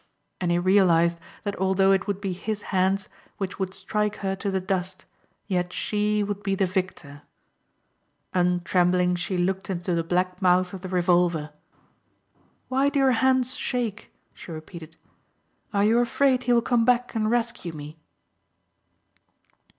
And he realized that although it would be his hands which would strike her to the dust yet she would be the victor. Untrembling she looked into the black mouth of the revolver. "Why do your hands shake?" she repeated. "Are you afraid he will come back and rescue me?"